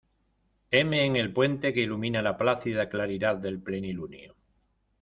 heme en el puente que ilumina la plácida claridad del plenilunio.